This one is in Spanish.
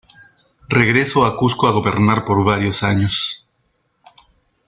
Regreso a Cuzco a gobernar por varios años.